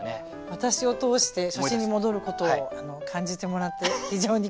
私を通して初心に戻ることを感じてもらって非常に光栄です。